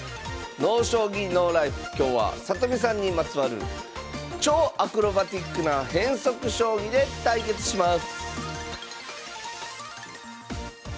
今日は里見さんにまつわる超アクロバティックな変則将棋で対決します